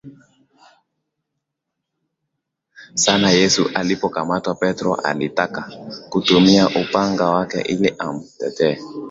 sana Yesu alipokamatwa Petro alitaka kutumia upanga wake ili amtetee